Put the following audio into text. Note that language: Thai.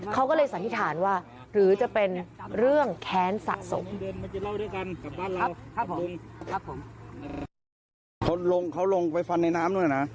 เขาก็เลยสัมภิษฐานว่าหรือจะเป็นเรื่องแค้นสะสม